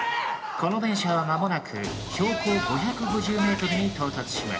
この電車は間もなく標高５５０ｍに到達します。